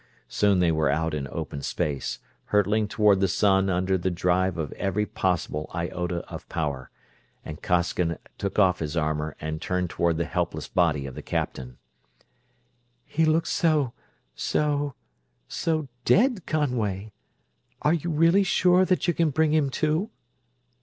Soon they were out in open space, hurtling toward the sun under the drive of every possible iota of power, and Costigan took off his armor and turned toward the helpless body of the captain. "He looks so ... so ... so dead, Conway! Are you really sure that you can bring him to?"